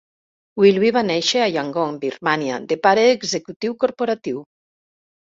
Wilby va néixer a Yangon, Birmània, de pare executiu corporatiu.